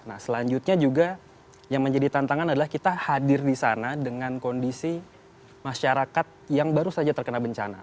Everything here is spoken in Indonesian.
nah selanjutnya juga yang menjadi tantangan adalah kita hadir di sana dengan kondisi masyarakat yang baru saja terkena bencana